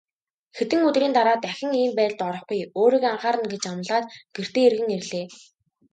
Хэдэн өдрийн дараа дахин ийм байдалд орохгүй, өөрийгөө анхаарна гэж амлаад гэртээ эргэн ирлээ.